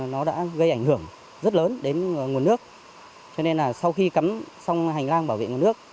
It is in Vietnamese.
nó đã gây ảnh hưởng rất lớn đến nguồn nước cho nên là sau khi cắm xong hành lang bảo vệ nguồn nước